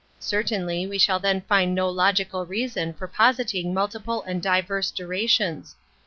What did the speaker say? Certainly, we shall then find no logical reason for positing multiple and diverse durations.